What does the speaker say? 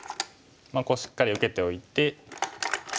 こうしっかり受けておいて。